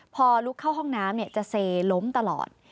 พอลุกเข้าห้องน้ำจะเซล้มตลอด